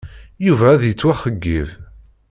Yuba ad yettwaxeyyeb.